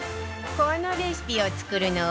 このレシピを作るのは